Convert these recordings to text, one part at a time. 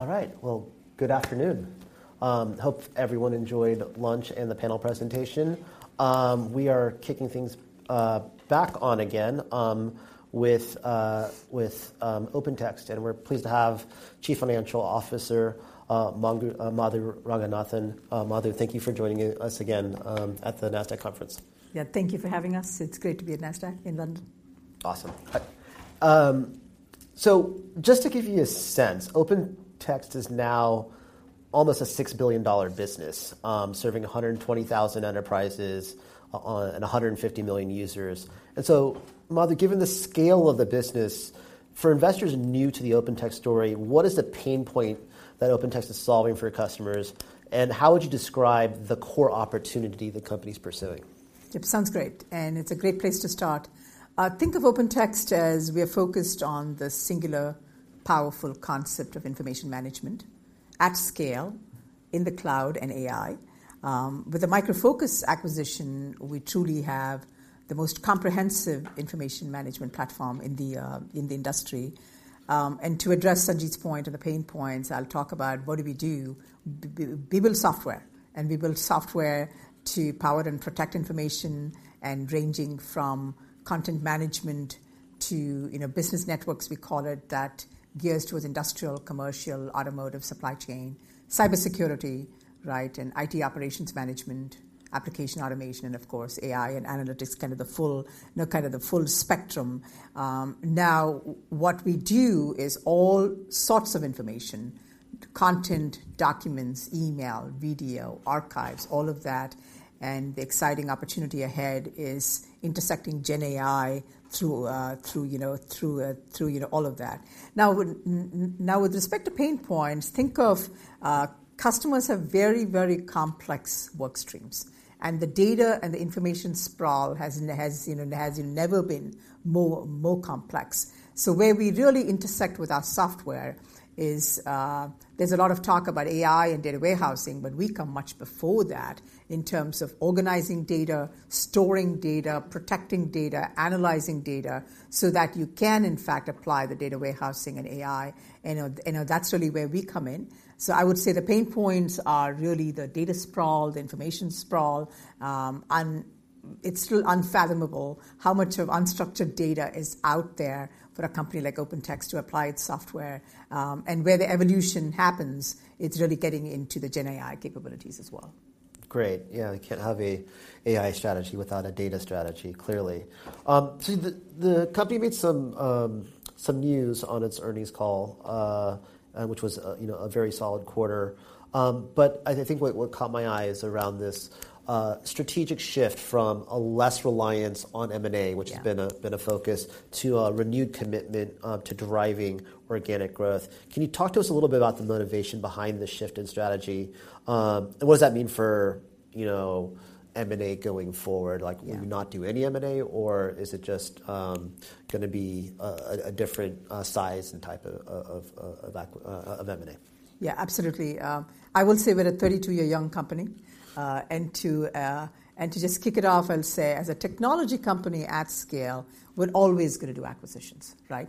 All right, well, good afternoon. Hope everyone enjoyed lunch and the panel presentation. We are kicking things back on again with OpenText, and we're pleased to have Chief Financial Officer Madhu Ranganathan. Madhu, thank you for joining us again at the Nasdaq conference. Yeah, thank you for having us. It's great to be at Nasdaq in London. Awesome. So just to give you a sense, OpenText is now almost a $6 billion business, serving 120,000 enterprises, and 150 million users. And so, Madhu, given the scale of the business, for investors new to the OpenText story, what is the pain point that OpenText is solving for your customers, and how would you describe the core opportunity the company's pursuing? It sounds great, and it's a great place to start. Think of OpenText as we are focused on the singular, powerful concept of information management at scale in the cloud and AI. With the Micro Focus acquisition, we truly have the most comprehensive information management platform in the industry. And to address Sanjit's point and the pain points, I'll talk about what do we do? We build software, and we build software to power and protect information and ranging from content management to, you know, business networks, we call it that, geared towards industrial, commercial, automotive, supply chain, cybersecurity, right, and IT operations management, application automation, and of course, AI and analytics, kind of the full... You know, kind of the full spectrum. Now, what we do is all sorts of information, content, documents, email, video, archives, all of that, and the exciting opportunity ahead is intersecting GenAI through, you know, through, you know, all of that. Now, with respect to pain points, think of, customers have very, very complex work streams, and the data and the information sprawl has, you know, has never been more complex. So where we really intersect with our software is, there's a lot of talk about AI and data warehousing, but we come much before that in terms of organizing data, storing data, protecting data, analyzing data, so that you can, in fact, apply the data warehousing and AI, and, that's really where we come in. So I would say the pain points are really the data sprawl, the information sprawl. And it's still unfathomable how much of unstructured data is out there for a company like OpenText to apply its software. And where the evolution happens, it's really getting into the GenAI capabilities as well. Great. Yeah, you can't have an AI strategy without a data strategy, clearly. So the company made some news on its earnings call, and which was a, you know, a very solid quarter. But I think what caught my eye is around this strategic shift from a less reliance on M&A- Yeah... which has been a focus to a renewed commitment to deriving organic growth. Can you talk to us a little bit about the motivation behind this shift in strategy? And what does that mean for, you know, M&A going forward? Yeah. Like, will you not do any M&A, or is it just gonna be a different size and type of M&A? Yeah, absolutely. I will say we're a 32-year young company, and to just kick it off and say, as a technology company at scale, we're always gonna do acquisitions, right?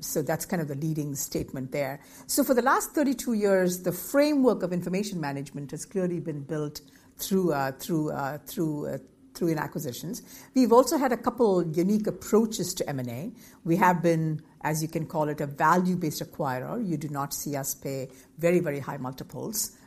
So that's kind of the leading statement there. So for the last 32 years, the framework of information management has clearly been built through acquisitions. We've also had a couple unique approaches to M&A. We have been, as you can call it, a value-based acquirer. You do not see us pay very, very high multiples on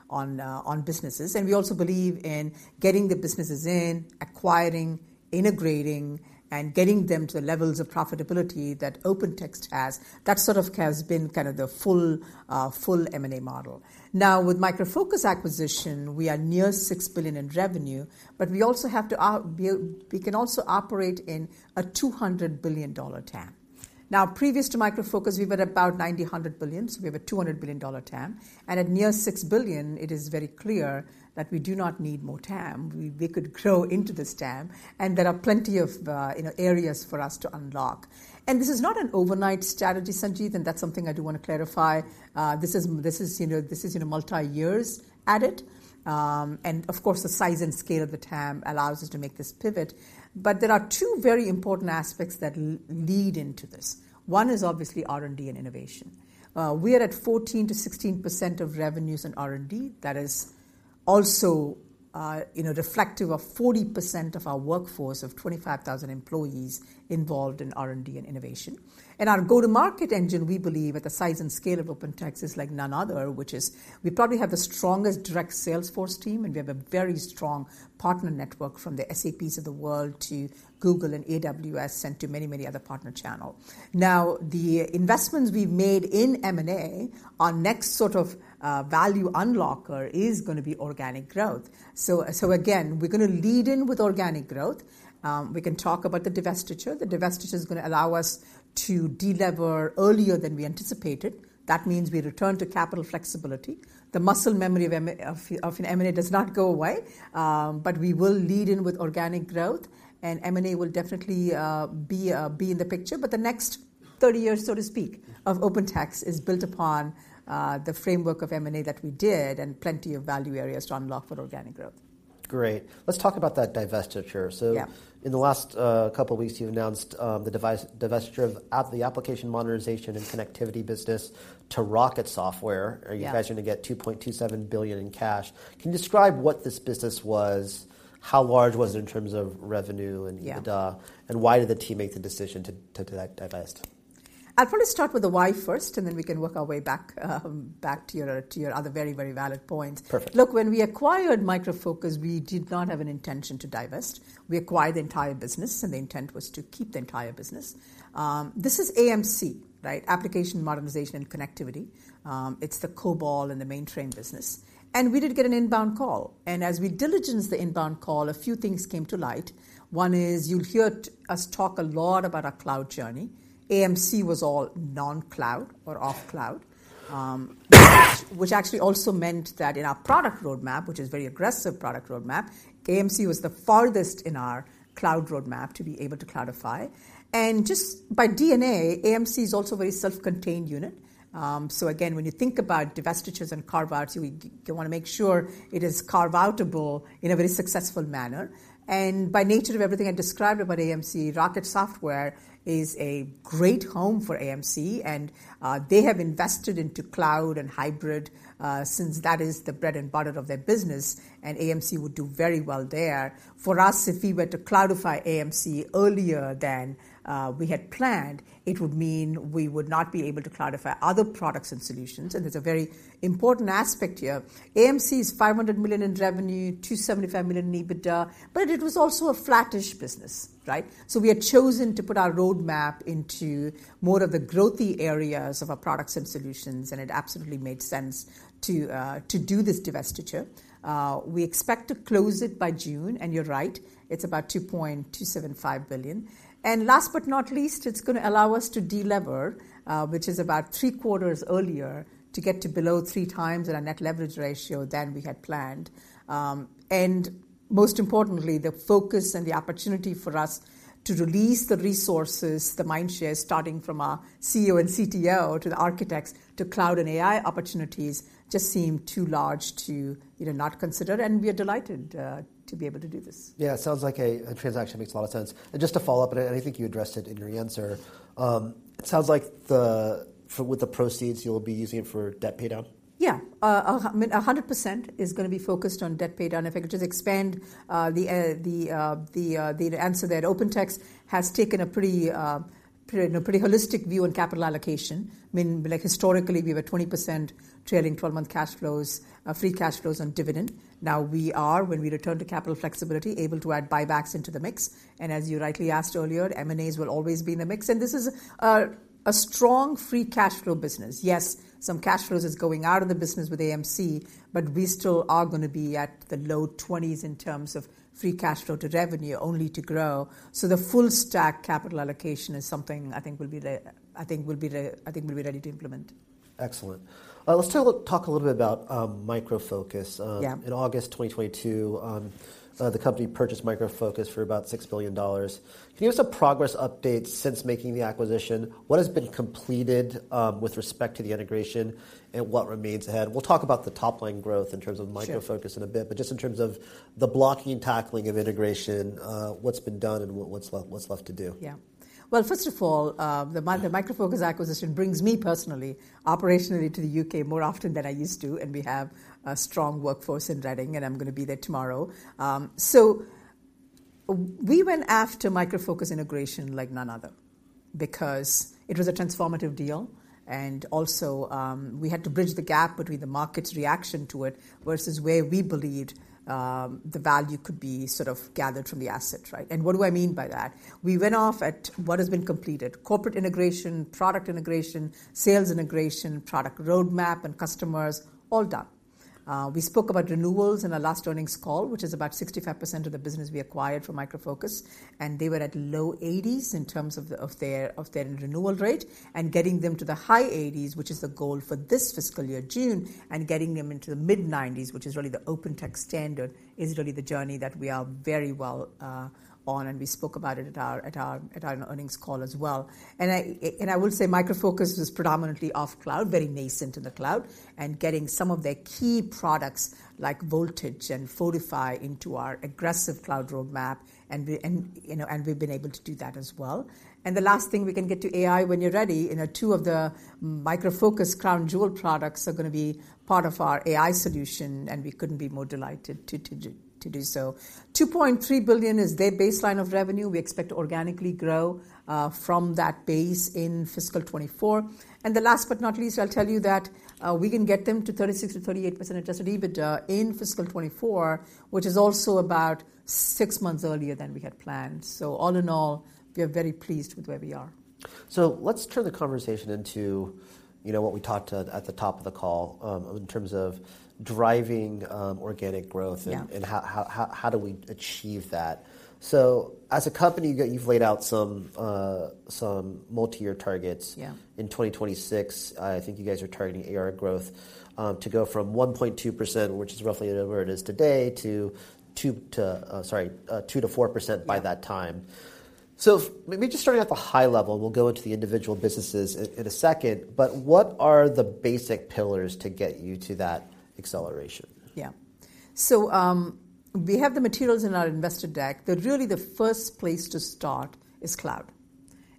businesses, and we also believe in getting the businesses in, acquiring, integrating, and getting them to the levels of profitability that OpenText has. That sort of has been kind of the full M&A model. Now, with Micro Focus acquisition, we are near $6 billion in revenue, but we also have we can also operate in a $200 billion TAM. Now, previous to Micro Focus, we were about 90, 100 billion, so we have a $200 billion TAM, and at near $6 billion, it is very clear that we do not need more TAM. We could grow into this TAM, and there are plenty of, you know, areas for us to unlock. And this is not an overnight strategy, Sanjit, and that's something I do want to clarify. This is, this is, you know, this is, you know, multiyears at it. And of course, the size and scale of the TAM allows us to make this pivot. But there are two very important aspects that lead into this. One is obviously R&D and innovation. We are at 14%-16% of revenues in R&D. That is also, you know, reflective of 40% of our workforce of 25,000 employees involved in R&D and innovation. And our go-to-market engine, we believe, at the size and scale of OpenText, is like none other, which is we probably have the strongest direct salesforce team, and we have a very strong partner network from the SAPs of the world to Google and AWS, and to many, many other partner channel. Now, the investments we've made in M&A, our next sort of, value unlocker is gonna be organic growth. So, so again, we're gonna lead in with organic growth. We can talk about the divestiture. The divestiture is gonna allow us to delever earlier than we anticipated. That means we return to capital flexibility. The muscle memory of M&A does not go away, but we will lead in with organic growth, and M&A will definitely be in the picture. But the next 30 years, so to speak, of OpenText is built upon the framework of M&A that we did and plenty of value areas to unlock for organic growth.... Great! Let's talk about that divestiture. Yeah. So in the last couple of weeks, you've announced the divestiture of the application modernization and connectivity business to Rocket Software. Yeah. You guys are gonna get $2.27 billion in cash. Can you describe what this business was? How large was it in terms of revenue and- Yeah - EBITDA? And why did the team make the decision to divest? I want to start with the why first, and then we can work our way back, back to your, to your other very, very valid point. Perfect. Look, when we acquired Micro Focus, we did not have an intention to divest. We acquired the entire business, and the intent was to keep the entire business. This is AMC, right? Application Modernization and Connectivity. It's the COBOL and the mainframe business. And we did get an inbound call, and as we diligenced the inbound call, a few things came to light. One is, you'll hear us talk a lot about our cloud journey. AMC was all non-cloud or off cloud, which actually also meant that in our product roadmap, which is a very aggressive product roadmap, AMC was the farthest in our cloud roadmap to be able to cloudify. Just by DNA, AMC is also a very self-contained unit. So again, when you think about divestitures and carve-outs, we want to make sure it is carve-outable in a very successful manner. And by nature of everything I described about AMC, Rocket Software is a great home for AMC, and, they have invested into cloud and hybrid, since that is the bread and butter of their business, and AMC would do very well there. For us, if we were to cloudify AMC earlier than, we had planned, it would mean we would not be able to cloudify other products and solutions, and it's a very important aspect here. AMC is $500 million in revenue, $275 million in EBITDA, but it was also a flattish business, right? So we had chosen to put our roadmap into more of the growthy areas of our products and solutions, and it absolutely made sense to, to do this divestiture. We expect to close it by June, and you're right, it's about $2.275 billion. Last but not least, it's gonna allow us to delever, which is about three quarters earlier, to get to below three times our Net Leverage Ratio than we had planned. Most importantly, the focus and the opportunity for us to release the resources, the mindshare, starting from our CEO and CTO to the architects, to cloud and AI opportunities, just seem too large to, you know, not consider, and we are delighted to be able to do this. Yeah, it sounds like a transaction makes a lot of sense. And just to follow up, and I think you addressed it in your answer, it sounds like the, with the proceeds, you'll be using it for debt paydown? Yeah. 100% is gonna be focused on debt paydown. If I could just expand the answer there. OpenText has taken a pretty holistic view on capital allocation. I mean, like, historically, we were 20% trailing twelve-month cash flows, free cash flows on dividend. Now we are, when we return to capital flexibility, able to add buybacks into the mix. And as you rightly asked earlier, M&As will always be in the mix, and this is a strong free cash flow business. Yes, some cash flows is going out of the business with AMC, but we still are gonna be at the low 20s in terms of free cash flow to revenue, only to grow. So the full stack capital allocation is something I think we'll be ready to implement. Excellent. Let's talk a little bit about Micro Focus. Yeah. In August 2022, the company purchased Micro Focus for about $6 billion. Can you give us a progress update since making the acquisition? What has been completed, with respect to the integration and what remains ahead? We'll talk about the top-line growth in terms of- Sure... Micro Focus in a bit, but just in terms of the blocking and tackling of integration, what's been done and what's left, what's left to do? Yeah. Well, first of all, the Micro Focus acquisition brings me personally, operationally to the U.K. more often than I used to, and we have a strong workforce in Reading, and I'm gonna be there tomorrow. So we went after Micro Focus integration like none other because it was a transformative deal, and also, we had to bridge the gap between the market's reaction to it versus where we believed the value could be sort of gathered from the asset, right? And what do I mean by that? We went off at what has been completed. Corporate integration, product integration, sales integration, product roadmap, and customers, all done. We spoke about renewals in our last earnings call, which is about 65% of the business we acquired from Micro Focus, and they were at low 80s in terms of their renewal rate. Getting them to the high 80s, which is the goal for this fiscal year, June, and getting them into the mid-90s, which is really the OpenText standard, is really the journey that we are very well on, and we spoke about it at our earnings call as well. I would say Micro Focus is predominantly off cloud, very nascent in the cloud, and getting some of their key products, like Voltage and Fortify, into our aggressive cloud roadmap, and, you know, we've been able to do that as well. The last thing we can get to AI when you're ready, you know. Two of the Micro Focus crown jewel products are gonna be part of our AI solution, and we couldn't be more delighted to do so. $2.3 billion is their baseline of revenue. We expect to organically grow from that base in fiscal 2024. The last but not least, I'll tell you that we can get them to 36%-38% Adjusted EBITDA in fiscal 2024, which is also about six months earlier than we had planned. So all in all, we are very pleased with where we are. Let's turn the conversation into, you know, what we talked about at the top of the call, in terms of driving organic growth. Yeah... and how, how, how do we achieve that. So as a company, you've laid out some, some multi-year targets. Yeah. In 2026, I think you guys are targeting ARR growth to go from 1.2%, which is roughly where it is today, to 2%-4%- Yeah ...by that time. So maybe just starting at the high level, we'll go into the individual businesses in a second, but what are the basic pillars to get you to that acceleration? Yeah. So, we have the materials in our investor deck, that really the first place to start is cloud.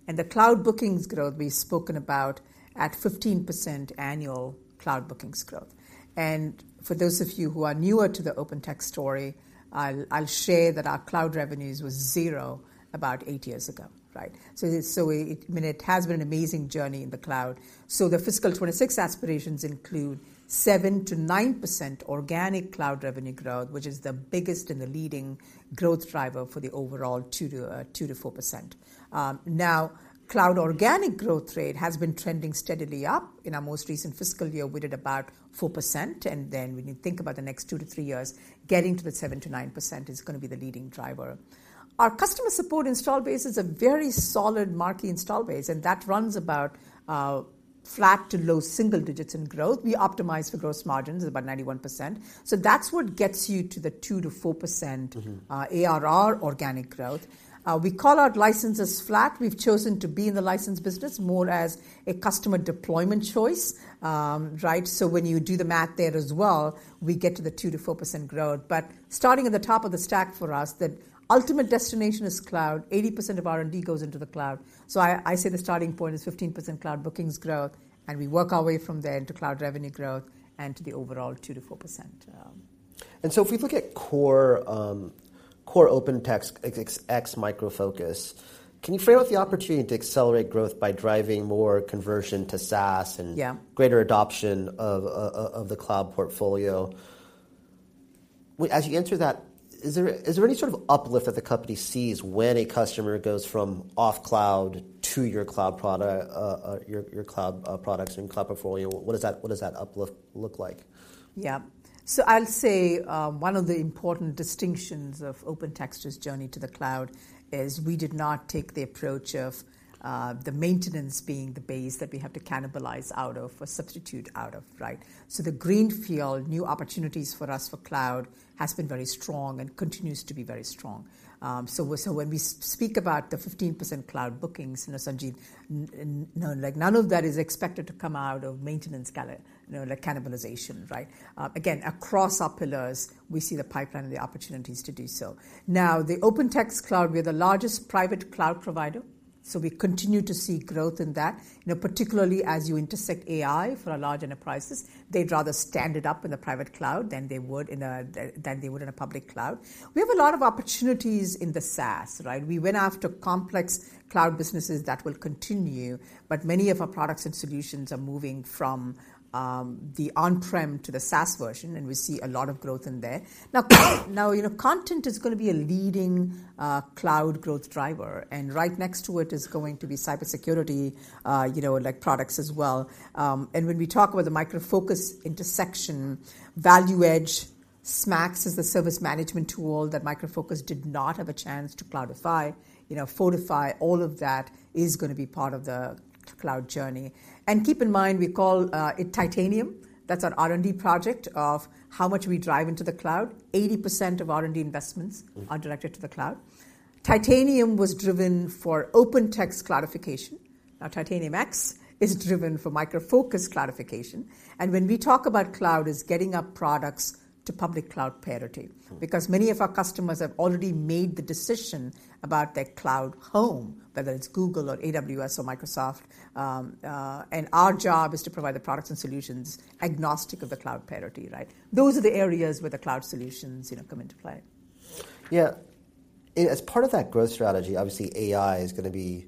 And the cloud bookings growth we've spoken about at 15% annual cloud bookings growth. And for those of you who are newer to the OpenText story, I'll share that our cloud revenues was zero about 8 years ago, right? So, it's, I mean, it has been an amazing journey in the cloud. So the fiscal 2026 aspirations include 7%-9% organic cloud revenue growth, which is the biggest and the leading growth driver for the overall 2%-4%. Now, cloud organic growth rate has been trending steadily up. In our most recent fiscal year, we did about 4%, and then when you think about the next 2-3 years, getting to the 7%-9% is gonna be the leading driver. Our customer support install base is a very solid marquee install base, and that runs about flat to low single digits in growth. We optimize for gross margins is about 91%. So that's what gets you to the 2%-4%- Mm-hmm. ARR organic growth. We call out licenses flat. We've chosen to be in the license business more as a customer deployment choice, right? So when you do the math there as well, we get to the 2%-4% growth. But starting at the top of the stack for us, the ultimate destination is cloud. 80% of R&D goes into the cloud. So I say the starting point is 15% cloud bookings growth, and we work our way from there into cloud revenue growth and to the overall 2%-4%. If we look at core, core OpenText ex Micro Focus, can you frame out the opportunity to accelerate growth by driving more conversion to SaaS and- Yeah... greater adoption of the cloud portfolio? Well, as you answer that, is there any sort of uplift that the company sees when a customer goes from off cloud to your cloud product, your cloud products and cloud portfolio? What does that uplift look like? Yeah. So I'll say, one of the important distinctions of OpenText's journey to the cloud is we did not take the approach of, the maintenance being the base that we have to cannibalize out of or substitute out of, right? So the greenfield, new opportunities for us for cloud, has been very strong and continues to be very strong. So when we speak about the 15% cloud bookings, you know, Sanjit, none, like, none of that is expected to come out of maintenance, kind of, you know, like cannibalization, right? Again, across our pillars, we see the pipeline and the opportunities to do so. Now, the OpenText cloud, we're the largest private cloud provider, so we continue to see growth in that. You know, particularly as you intersect AI for large enterprises, they'd rather stand it up in a private cloud than they would in a public cloud. We have a lot of opportunities in the SaaS, right? We went after complex cloud businesses that will continue, but many of our products and solutions are moving from the on-prem to the SaaS version, and we see a lot of growth in there. Now, you know, content is gonna be a leading cloud growth driver, and right next to it is going to be cybersecurity, you know, like, products as well. And when we talk about the Micro Focus intersection, ValueEdge, SMAX is the service management tool that Micro Focus did not have a chance to cloudify. You know, Fortify, all of that is gonna be part of the cloud journey. Keep in mind, we call it Titanium. That's our R&D project of how much we drive into the cloud. 80% of R&D investments- Mm-hmm... are directed to the cloud. Titanium was driven for OpenText cloudification. Now, Titanium X is driven for Micro Focus cloudification. When we talk about cloud, it's getting our products to public cloud parity. Mm-hmm. Because many of our customers have already made the decision about their cloud home, whether it's Google or AWS or Microsoft, and our job is to provide the products and solutions agnostic of the cloud parity, right? Those are the areas where the cloud solutions, you know, come into play. Yeah. As part of that growth strategy, obviously, AI is gonna be,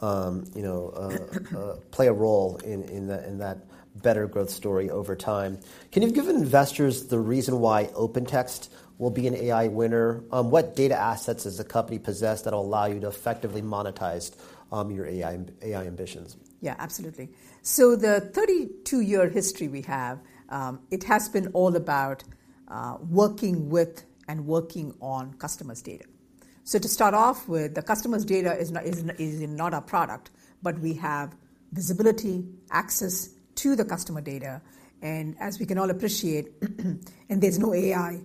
you know, play a role in that better growth story over time. Can you give investors the reason why OpenText will be an AI winner? What data assets does the company possess that'll allow you to effectively monetize your AI ambitions? Yeah, absolutely. So the 32-year history we have, it has been all about, working with and working on customers' data. So to start off with, the customer's data is not a product, but we have visibility, access to the customer data, and as we can all appreciate, and there's no AI,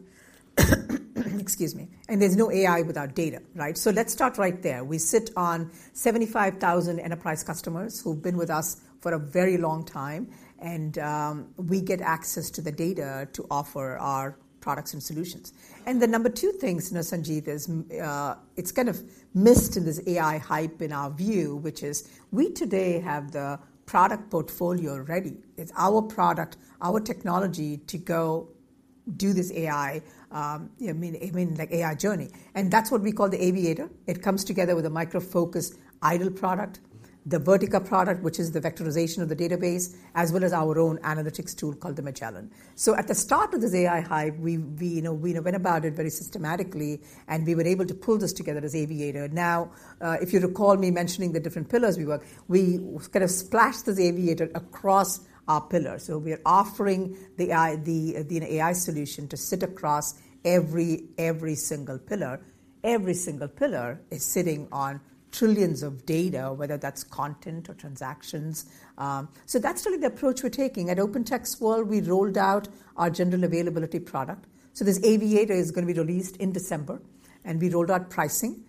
excuse me, and there's no AI without data, right? So let's start right there. We sit on 75,000 enterprise customers who've been with us for a very long time, and, we get access to the data to offer our products and solutions. And the number two things, you know, Sanjiv, is, it's kind of missed in this AI hype in our view, which is we today have the product portfolio ready. It's our product, our technology, to go do this AI, you know, I mean, I mean, like AI journey. That's what we call the Aviator. It comes together with a Micro Focus IDOL product, the Vertica product, which is the vectorization of the database, as well as our own analytics tool called the Magellan. So at the start of this AI hype, you know, we went about it very systematically, and we were able to pull this together as Aviator. Now, if you recall me mentioning the different pillars. We kind of splashed this Aviator across our pillars. So we are offering the AI, an AI solution to sit across every single pillar. Every single pillar is sitting on trillions of data, whether that's content or transactions. So that's really the approach we're taking. At OpenText World, we rolled out our general availability product. So this Aviator is gonna be released in December and we rolled out pricing.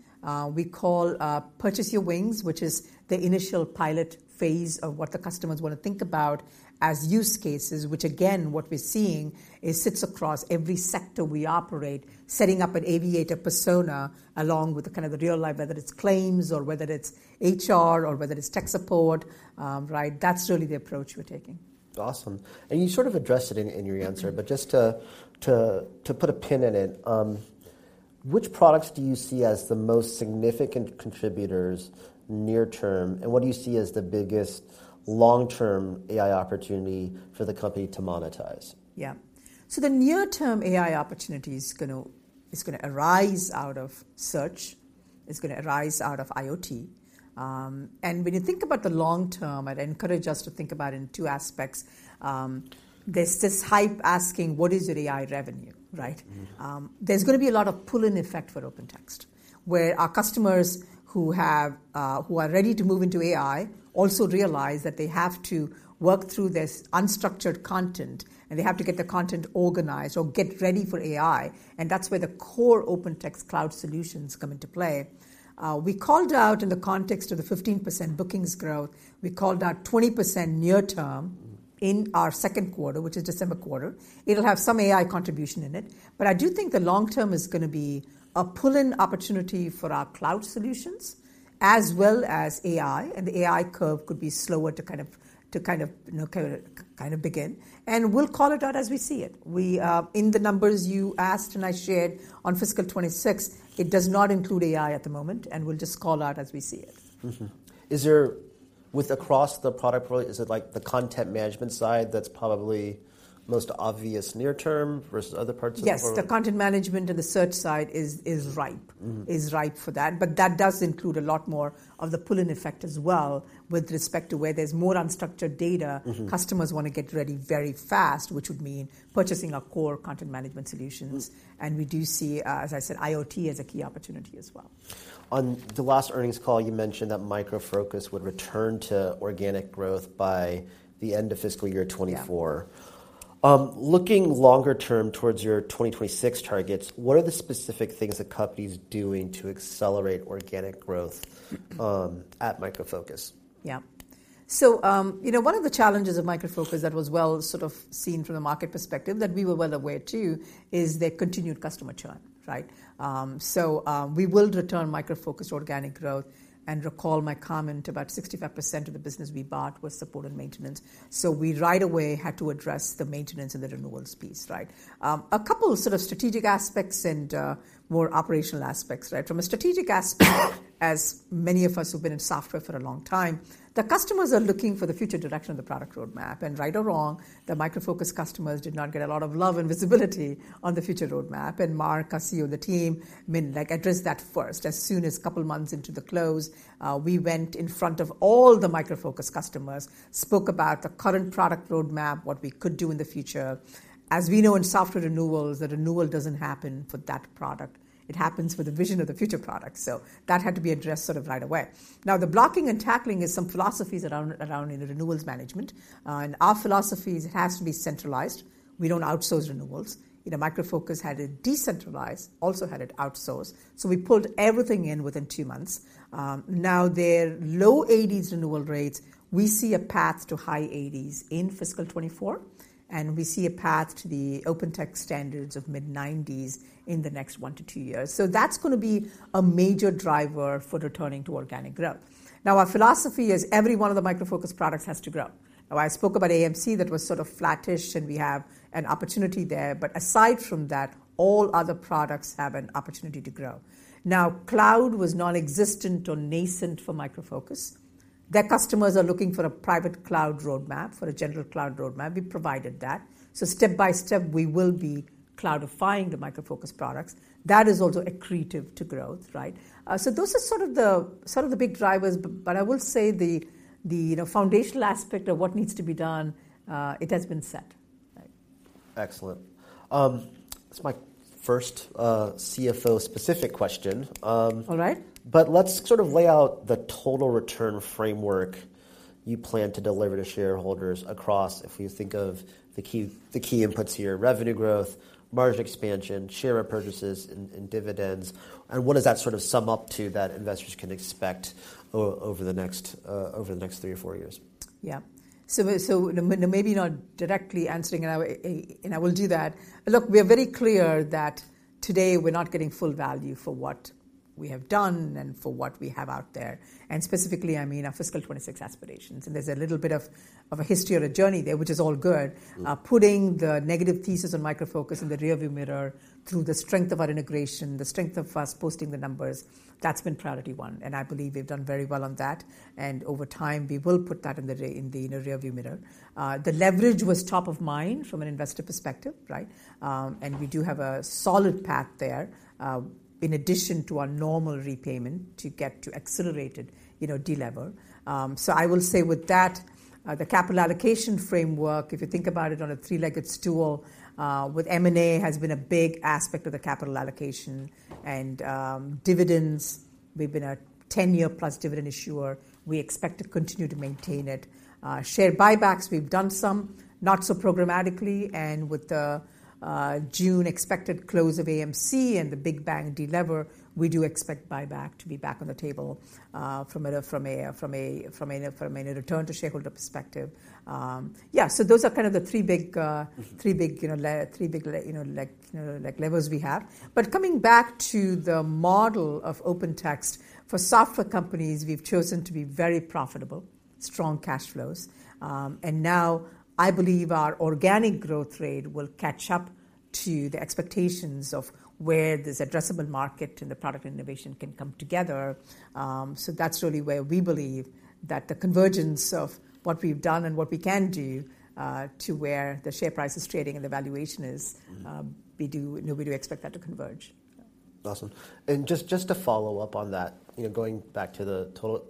We call purchase your wings, which is the initial pilot phase of what the customers want to think about as use cases, which again, what we're seeing, it sits across every sector we operate, setting up an aviator persona along with the kind of the real life, whether it's claims or whether it's HR, or whether it's tech support. Right, that's really the approach we're taking. Awesome. And you sort of addressed it in, in your answer- Mm-hmm. But just to put a pin in it, which products do you see as the most significant contributors near term, and what do you see as the biggest long-term AI opportunity for the company to monetize? Yeah. So the near-term AI opportunity is gonna arise out of search. It's gonna arise out of IoT. And when you think about the long term, I'd encourage us to think about it in two aspects. There's this hype asking, what is your AI revenue, right? Mm-hmm. There's gonna be a lot of pull-in effect for OpenText, where our customers who have, who are ready to move into AI also realize that they have to work through this unstructured content, and they have to get the content organized or get ready for AI, and that's where the core OpenText cloud solutions come into play. We called out in the context of the 15% bookings growth, we called out 20% near term- Mm. In our second quarter, which is December quarter. It'll have some AI contribution in it. But I do think the long term is gonna be a pull-in opportunity for our cloud solutions as well as AI, and the AI curve could be slower to kind of, you know, begin, and we'll call it out as we see it. We in the numbers you asked, and I shared on fiscal 2026, it does not include AI at the moment, and we'll just call out as we see it. Mm-hmm. Is there with across the product portfolio, is it like the content management side that's probably most obvious near term versus other parts of the portfolio? Yes. The content management and the search side is ripe- Mm. -is ripe for that, but that does include a lot more of the pull-in effect as well. With respect to where there's more unstructured data- Mm-hmm. Customers wanna get ready very fast, which would mean purchasing our core content management solutions. Mm. We do see, as I said, IoT as a key opportunity as well. On the last earnings call, you mentioned that Micro Focus would return to organic growth by the end of fiscal year 2024. Yeah. Looking longer term towards your 2026 targets, what are the specific things the company's doing to accelerate organic growth at Micro Focus? Yeah. So, you know, one of the challenges of Micro Focus that was well sort of seen from the market perspective, that we were well aware, too, is their continued customer churn, right? So, we will return Micro Focus organic growth. And recall my comment, about 65% of the business we bought was support and maintenance. So we right away had to address the maintenance and the renewals piece, right? A couple of sort of strategic aspects and, more operational aspects, right? From a strategic aspect, as many of us who've been in software for a long time, the customers are looking for the future direction of the product roadmap. And right or wrong, the Micro Focus customers did not get a lot of love and visibility on the future roadmap. And Mark, our CEO, the team, mean, like, address that first. As soon as a couple of months into the close, we went in front of all the Micro Focus customers, spoke about the current product roadmap, what we could do in the future. As we know in software renewals, the renewal doesn't happen for that product. It happens for the vision of the future product. So that had to be addressed sort of right away. Now, the blocking and tackling is some philosophies around, around in the renewals management, and our philosophies, it has to be centralized. We don't outsource renewals. You know, Micro Focus had it decentralized, also had it outsourced, so we pulled everything in within two months. Now, their low 80s% renewal rates, we see a path to high 80s% in fiscal 2024, and we see a path to the OpenText standards of mid-90s% in the next 1-2 years. So that's gonna be a major driver for returning to organic growth. Now, our philosophy is every one of the Micro Focus products has to grow. Now, I spoke about AMC, that was sort of flattish, and we have an opportunity there. But aside from that, all other products have an opportunity to grow. Now, cloud was nonexistent or nascent for Micro Focus. Their customers are looking for a private cloud roadmap, for a general cloud roadmap. We provided that. So step by step, we will be cloudifying the Micro Focus products. That is also accretive to growth, right? So those are sort of the big drivers, but I will say the, you know, foundational aspect of what needs to be done, it has been set, right. Excellent. This is my first, CFO-specific question. All right. Let's sort of lay out the total return framework you plan to deliver to shareholders. If we think of the key, the key inputs here, revenue growth, margin expansion, share repurchases, and dividends, and what does that sort of sum up to that investors can expect over the next 3 or 4 years? Yeah. So, so maybe not directly answering, and I, and I will do that. Look, we are very clear that today we're not getting full value for what we have done and for what we have out there, and specifically, I mean, our fiscal 2026 aspirations. And there's a little bit of, of a history or a journey there, which is all good. Mm. Putting the negative thesis on Micro Focus in the rearview mirror through the strength of our integration, the strength of us posting the numbers, that's been priority one, and I believe we've done very well on that, and over time, we will put that in the rearview mirror. The leverage was top of mind from an investor perspective, right? And we do have a solid path there, in addition to our normal repayment, to get to accelerated, you know, delever. So I will say with that, the capital allocation framework, if you think about it on a three-legged stool, with M&A, has been a big aspect of the capital allocation, and, dividends we've been a 10+ year dividend issuer. We expect to continue to maintain it. Share buybacks, we've done some, not so programmatically, and with the June expected close of AMC and the big bang delever, we do expect buyback to be back on the table, from a return to shareholder perspective. Yeah, so those are kind of the three big, Mm-hmm. Three big, you know, levers we have. But coming back to the model of OpenText, for software companies, we've chosen to be very profitable, strong cash flows. And now, I believe our organic growth rate will catch up to the expectations of where this addressable market and the product innovation can come together. So that's really where we believe that the convergence of what we've done and what we can do to where the share price is trading and the valuation is- Mm-hmm. We do expect that to converge. Awesome. And just, just to follow up on that, you know, going back to the total,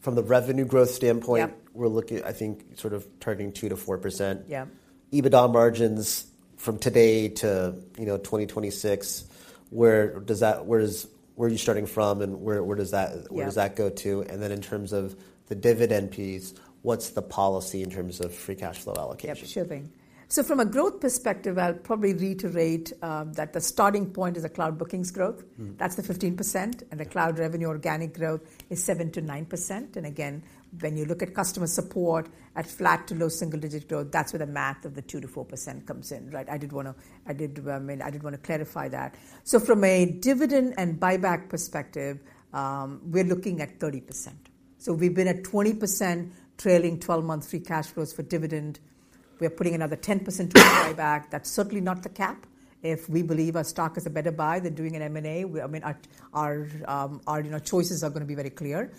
from the revenue growth standpoint- Yep. -we're looking, I think, sort of turning 2%-4%. Yeah. EBITDA margins from today to, you know, 2026, where does that, where does, where are you starting from, and where, where does that? Yeah. Where does that go to? And then in terms of the dividend piece, what's the policy in terms of free cash flow allocation? Yeah, sure thing. So from a growth perspective, I'll probably reiterate that the starting point is the cloud bookings growth. Mm. That's the 15%, and the cloud revenue organic growth is 7%-9%. And again, when you look at customer support at flat to low single-digit growth, that's where the math of the 2%-4% comes in, right? I did wanna, I did, I mean, I did wanna clarify that. So from a dividend and buyback perspective, we're looking at 30%. So we've been at 20% trailing twelve-month free cash flows for dividend. We're putting another 10% to buyback. That's certainly not the cap. If we believe our stock is a better buy than doing an M&A, we, I mean, our, our, you know, choices are gonna be very clear.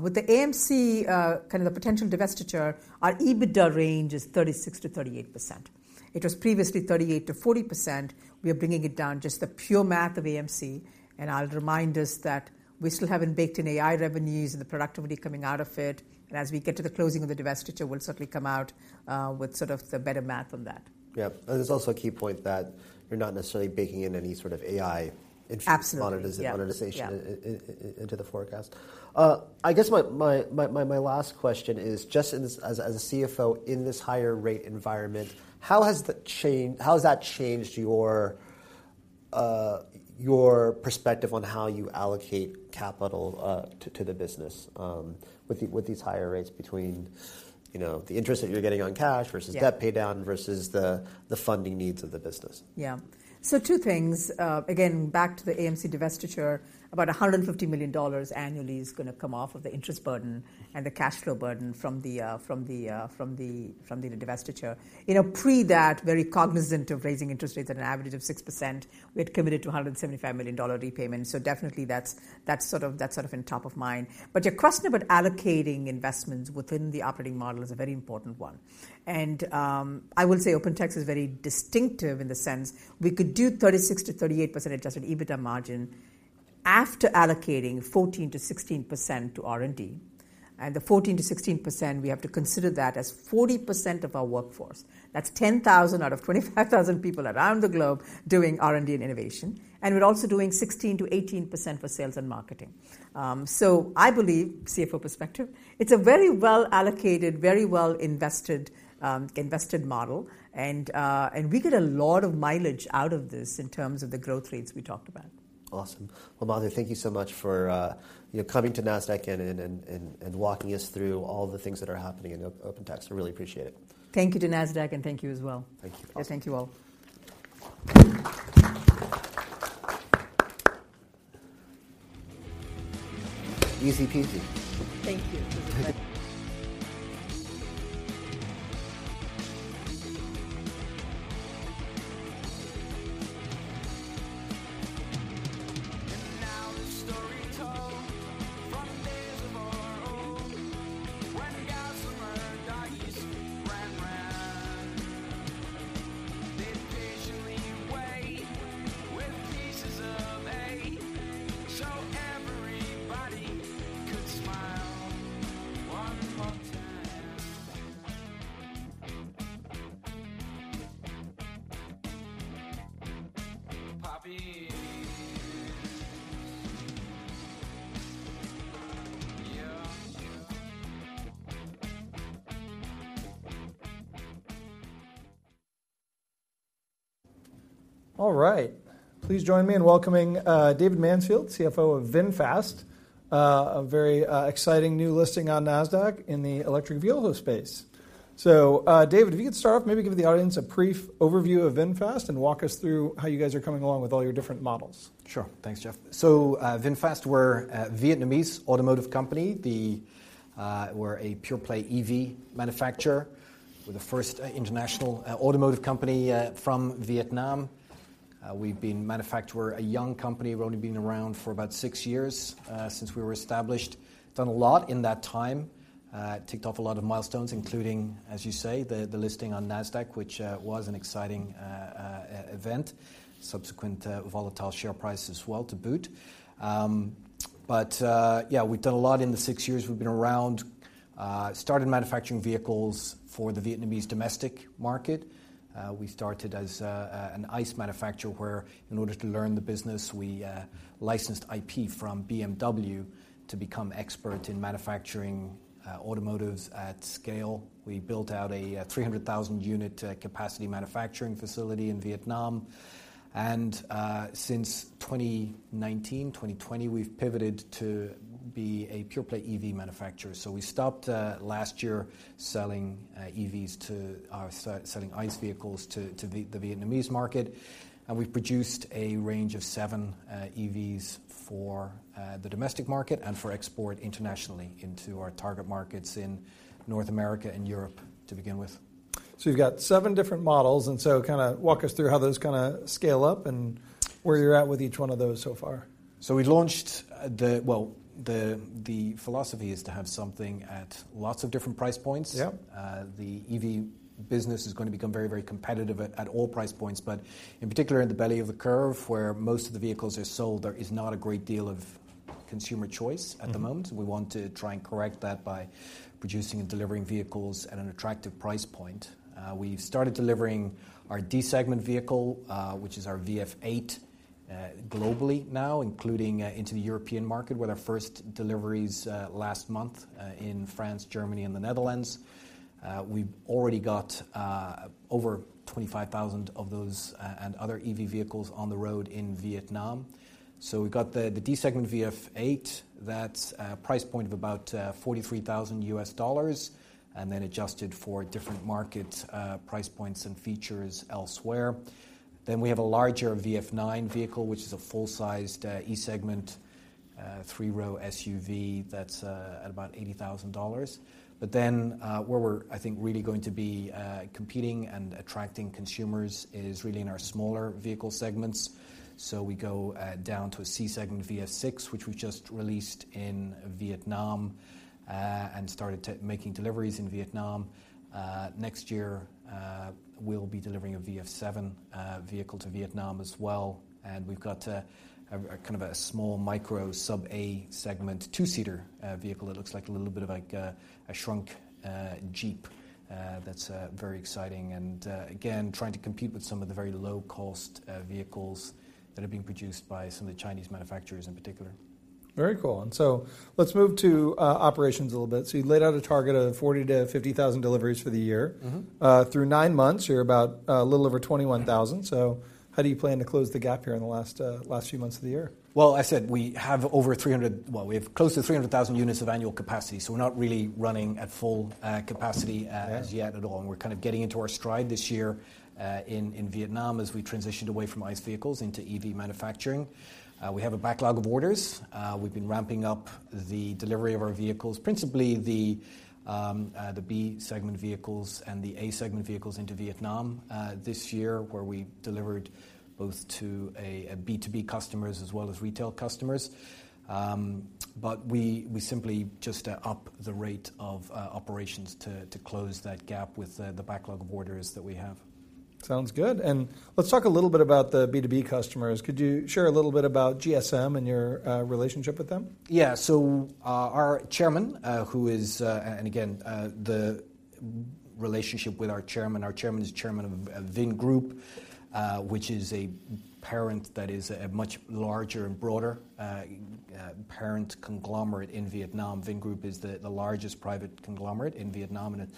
With the AMC, kind of the potential divestiture, our EBITDA range is 36%-38%. It was previously 38%-40%. We are bringing it down, just the pure math of AMC, and I'll remind us that we still haven't baked in AI revenues and the productivity coming out of it. And as we get to the closing of the divestiture, we'll certainly come out with sort of the better math on that. Yeah. And there's also a key point that you're not necessarily baking in any sort of AI- Absolutely... interest monetization- Yeah Monetization into the forecast. I guess my last question is, just in this as a CFO in this higher rate environment, how has that changed your perspective on how you allocate capital to the business with these higher rates between, you know, the interest that you're getting on cash versus- Yeah... debt paydown versus the funding needs of the business? Yeah. So two things. Again, back to the AMC divestiture. About $150 million annually is gonna come off of the interest burden- Mm... and the cash flow burden from the divestiture. You know, pre that, very cognizant of raising interest rates at an average of 6%, we had committed to a $175 million repayment. So definitely that's sort of in top of mind. But your question about allocating investments within the operating model is a very important one. And, I will say OpenText is very distinctive in the sense we could do 36%-38% adjusted EBITDA margin after allocating 14%-16% to R&D. And the 14%-16%, we have to consider that as 40% of our workforce. That's 10,000 out of 25,000 people around the globe doing R&D and innovation. And we're also doing 16%-18% for sales and marketing. I believe, CFO perspective, it's a very well-allocated, very well-invested model, and we get a lot of mileage out of this in terms of the growth rates we talked about. Awesome. Well, Madhu, thank you so much for, you know, coming to Nasdaq and walking us through all the things that are happening in OpenText. I really appreciate it. Thank you to Nasdaq, and thank you as well. Thank you. Thank you all. Easy-peasy. Thank you. And now the story told from days of old, when guys from paradise ran around. They patiently wait with pieces of eight, so everybody could smile one more time. Poppy. Yeah. All right. Please join me in welcoming David Mansfield, CFO of VinFast, a very exciting new listing on Nasdaq in the electric vehicle space. So, David, if you could start off, maybe give the audience a brief overview of VinFast and walk us through how you guys are coming along with all your different models. Sure. Thanks, Jeff. So, VinFast, we're a Vietnamese automotive company. We're a pure-play EV manufacturer. We're the first international automotive company from Vietnam. We've been a manufacturer, a young company. We've only been around for about six years since we were established. Done a lot in that time. Ticked off a lot of milestones, including, as you say, the listing on Nasdaq, which was an exciting event, subsequent volatile share price as well to boot. But yeah, we've done a lot in the six years we've been around. Started manufacturing vehicles for the Vietnamese domestic market. We started as an ICE manufacturer, where in order to learn the business, we licensed IP from BMW to become expert in manufacturing automotives at scale. We built out a 300,000-unit capacity manufacturing facility in Vietnam. Since 2019, 2020, we've pivoted to be a pure-play EV manufacturer. We stopped last year selling ICE vehicles to the Vietnamese market. We've produced a range of seven EVs for the domestic market and for export internationally into our target markets in North America and Europe to begin with. You've got seven different models, and so kinda walk us through how those kinda scale up and where you're at with each one of those so far? So we launched. Well, the philosophy is to have something at lots of different price points. Yep. The EV business is gonna become very, very competitive at all price points, but in particular, in the belly of the curve, where most of the vehicles are sold, there is not a great deal of consumer choice at the moment. Mm-hmm. We want to try and correct that by producing and delivering vehicles at an attractive price point. We've started delivering our D segment vehicle, which is our VF 8, globally now, including into the European market, with our first deliveries last month in France, Germany and the Netherlands. We've already got over 25,000 of those and other EV vehicles on the road in Vietnam. So we've got the D segment VF 8, that's a price point of about $43,000, and then adjusted for different market price points and features elsewhere. Then we have a larger VF 9 vehicle, which is a full-sized E segment three-row SUV that's at about $80,000. But then, where we're, I think, really going to be competing and attracting consumers is really in our smaller vehicle segments. So we go down to a C segment VF 6, which we've just released in Vietnam, and started making deliveries in Vietnam. Next year, we'll be delivering a VF 7 vehicle to Vietnam as well. And we've got a kind of a small micro sub-A segment, two-seater vehicle, that looks like a little bit like a shrunk Jeep. That's very exciting. And again, trying to compete with some of the very low-cost vehicles that are being produced by some of the Chinese manufacturers in particular. Very cool. And so let's move to, operations a little bit. So you've laid out a target of 40,000-50,000 deliveries for the year. Mm-hmm. Through nine months, you're about a little over 21,000. Mm-hmm. So how do you plan to close the gap here in the last few months of the year? Well, I said we have over 300-- Well, we have close to 300,000 units of annual capacity, so we're not really running at full capacity- Yeah... as yet at all. We're kind of getting into our stride this year in Vietnam, as we transitioned away from ICE vehicles into EV manufacturing. We have a backlog of orders. We've been ramping up the delivery of our vehicles, principally the B segment vehicles and the A segment vehicles into Vietnam this year, where we delivered both to B2B customers as well as retail customers. But we simply just up the rate of operations to close that gap with the backlog of orders that we have. Sounds good. Let's talk a little bit about the B2B customers. Could you share a little bit about GSM and your relationship with them? Yeah. So, our chairman, who is... And again, the relationship with our chairman, our chairman is chairman of Vingroup, which is a parent that is a much larger and broader parent conglomerate in Vietnam. Vingroup is the largest private conglomerate in Vietnam, and it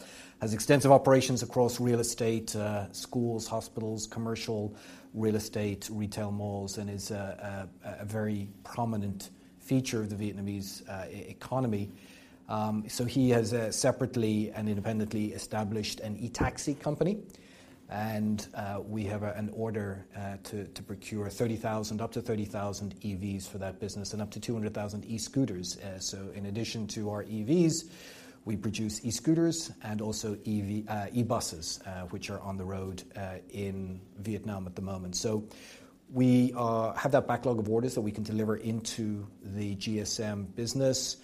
has extensive operations across real estate, schools, hospitals, commercial real estate, retail malls, and is a very prominent feature of the Vietnamese economy. So he has separately and independently established an e-taxi company, and we have an order to procure up to 30,000 EVs for that business and up to 200,000 e-scooters. So in addition to our EVs, we produce e-scooters and also e-buses, which are on the road in Vietnam at the moment. So we have that backlog of orders that we can deliver into the GSM business.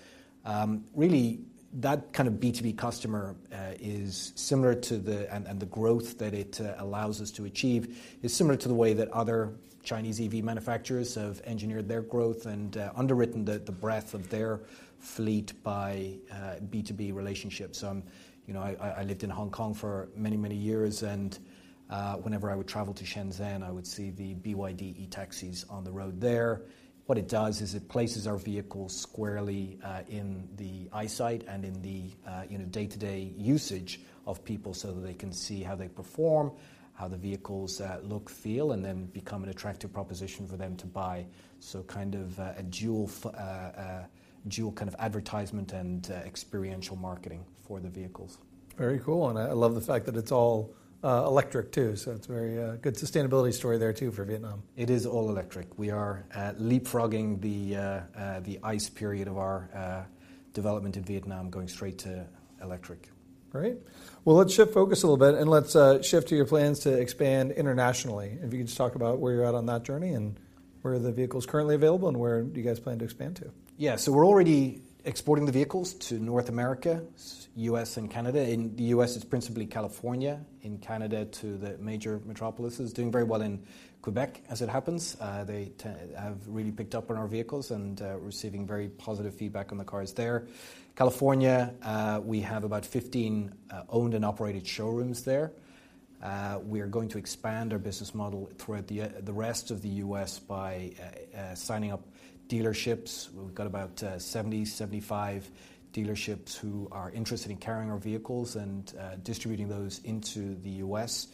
Really, that kind of B2B customer is similar to the and the growth that it allows us to achieve is similar to the way that other Chinese EV manufacturers have engineered their growth and underwritten the breadth of their fleet by B2B relationships. You know, I lived in Hong Kong for many, many years, and whenever I would travel to Shenzhen, I would see the BYD e-taxis on the road there. What it does is it places our vehicles squarely in the eyesight and in the day-to-day usage of people so that they can see how they perform, how the vehicles look, feel, and then become an attractive proposition for them to buy. So kind of a dual kind of advertisement and experiential marketing for the vehicles. Very cool, and I love the fact that it's all electric too, so it's very good sustainability story there, too, for Vietnam. It is all electric. We are leapfrogging the ICE period of our development in Vietnam, going straight to electric. Great! Well, let's shift focus a little bit, and let's shift to your plans to expand internationally. If you could just talk about where you're at on that journey, and where are the vehicles currently available, and where do you guys plan to expand to? Yeah. So we're already exporting the vehicles to North America, U.S. and Canada. In the U.S., it's principally California. In Canada, to the major metropolis. Doing very well in Quebec, as it happens. They have really picked up on our vehicles and receiving very positive feedback on the cars there. California, we have about 15 owned and operated showrooms there. We are going to expand our business model throughout the rest of the U.S. by signing up dealerships. We've got about 70-75 dealerships who are interested in carrying our vehicles and distributing those into the U.S.,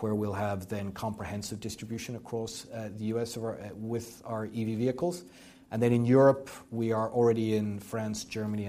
where we'll have then comprehensive distribution across the U.S. with our EV vehicles. And then in Europe, we are already in France, Germany and-